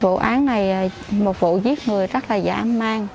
vụ án này một vụ giết người rất là dã man